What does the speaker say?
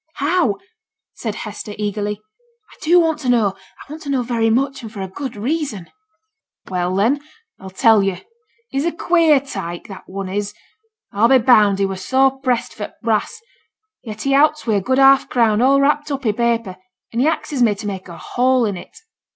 'How?' said Hester, eagerly. 'I do want to know. I want to know very much, and for a good reason.' 'Well, then, a'll tell yo'. He's a queer tyke, that one is. A'll be bound he were sore pressed for t' brass; yet he out's wi' a good half crown, all wrapped up i' paper, and he axes me t' make a hole in it.